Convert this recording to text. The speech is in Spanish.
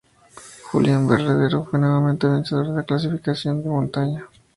Julián Berrendero fue nuevamente vencedor en la clasificación de la montaña.